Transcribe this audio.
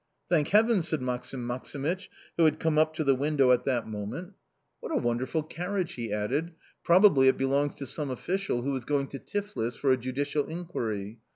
"Thank heavens!" said Maksim Maksimych, who had come up to the window at that moment. "What a wonderful carriage!" he added; "probably it belongs to some official who is going to Tiflis for a judicial inquiry.